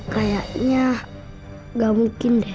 kayaknya nggak mungkin dev